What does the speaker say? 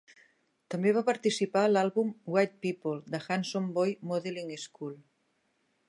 També va participar a l'àlbum "White People" de Handsome Boy Modeling School.